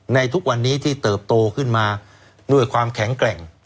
ทุกวันนี้ที่เติบโตขึ้นมาด้วยความแข็งแกร่ง